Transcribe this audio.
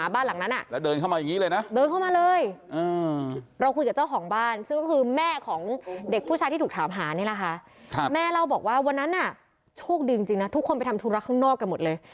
พี่เจ้าบอกว่าวันนั้นน่ะโชคดีจริงทุกคนไปทำธุรักษ์ข้างนอกกันหมดเลย